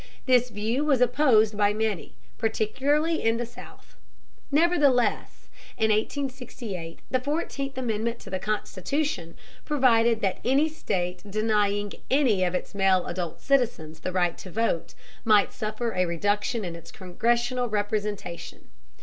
This view was opposed by many, particularly in the South. Nevertheless, in 1868 the Fourteenth Amendment to the Constitution provided that any state denying any of its male adult citizens the right to vote might suffer a reduction in its congressional representation.